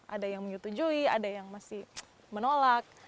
ada yang menyetujui ada yang masih menolak